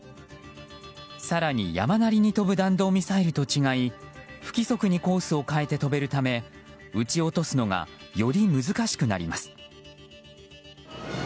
更に、山なりに飛ぶ弾道ミサイルと違い不規則にコースを変えて飛べるため撃ち落とすのがより難しくなります。